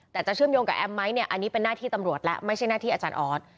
แต่จะเชื่อมโยงกับแอมไหมเนี่ยอันนี้เป็นหน้าที่ตำรวจและไม่ใช่หน้าที่อาจารย์ออส